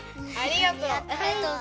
ありがとう。